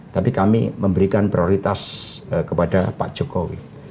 tapi kami memberikan prioritas kepada pak jokowi